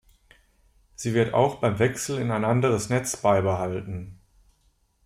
Sie wird auch beim Wechsel in ein anderes Netz beibehalten.